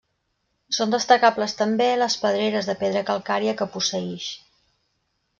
Són destacables també les pedreres de pedra calcària que posseïx.